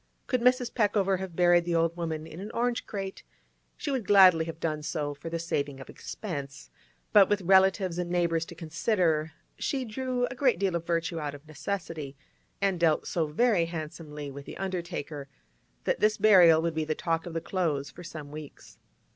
Could Mrs. Peckover have buried the old woman in an orange crate, she would gladly have done so for the saving of expense; but with relatives and neighbours to consider, she drew a great deal of virtue out of necessity, and dealt so very handsomely with the undertaker, that this burial would be the talk of the Close for some weeks.